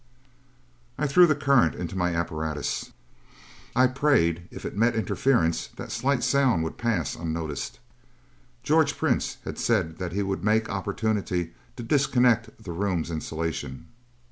I threw the current into my apparatus. I prayed, if it met interference, that the slight sound would pass unnoticed. George Prince had said that he would make opportunity to disconnect the room's insulation.